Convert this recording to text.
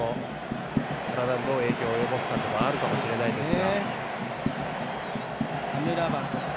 体にどう影響を及ぼすかはあるかもしれないですが。